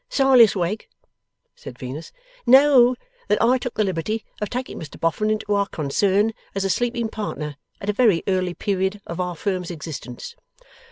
'Silas Wegg,' said Venus, 'know that I took the liberty of taking Mr Boffin into our concern as a sleeping partner, at a very early period of our firm's existence.